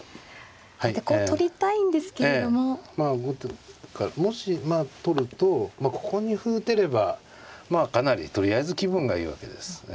まあ後手もしまあ取るとここに歩打てればまあかなりとりあえず気分がいいわけです。